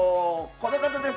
この方です。